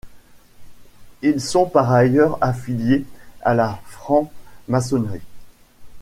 Ils sont par ailleurs affiliés à la franc-maçonnerie.